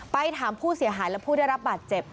ไปถามผู้เสียหายและผู้ได้รับบาดเจ็บ